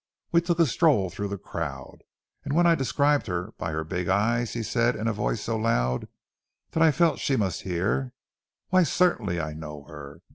We took a stroll through the crowd, and when I described her by her big eyes, he said in a voice so loud that I felt sure she must hear: "Why, certainly, I know her.